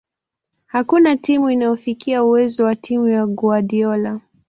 Hakuna timu inayofikia uwezo wa timu ya Guardiola